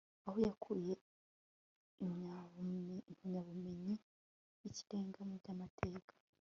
aho yakuye impamyabumenyi y'ikirenga mu by'amateka